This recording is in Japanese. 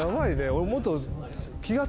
俺もっと。